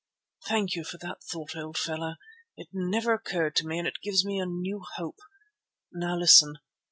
"Thank you for that thought, old fellow. It never occurred to me and it gives me new hope. Now listen!